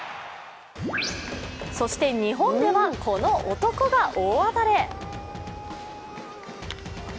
そして日本ではこの男が大暴れ。